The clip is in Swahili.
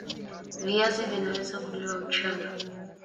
Viazi vinaweza kuliwa mchana